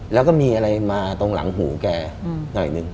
แล้วก็มีอะไรมาตรงหลังหูแกหน่อยหนึ่ง